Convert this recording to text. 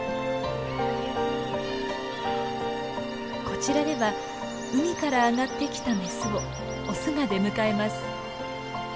こちらでは海から上がってきたメスをオスが出迎えます。